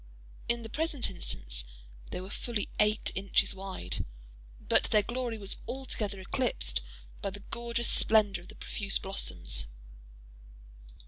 In the present instance they were fully eight inches wide; but their glory was altogether eclipsed by the gorgeous splendor of the profuse blossoms.